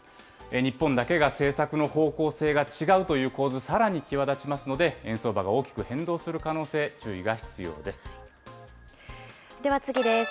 日本だけが政策の方向性が違うという構図、さらに際立ちますので、円相場が大きく変動する可能性、では次です。